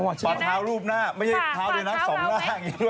ฝ่าเท้ารูปหน้าไม่ใช่เท้าเดียวนักสองหน้า